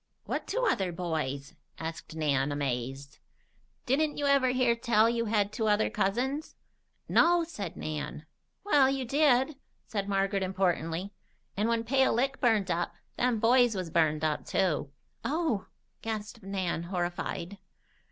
"What two other boys?" asked Nan, amazed. "Didn't you ever hear tell you had two other cousins?" "No," said Nan. "Well, you did," said Margaret importantly. "And when Pale Lick burned up, them boys was burned up, too." "Oh!" gasped Nan, horrified.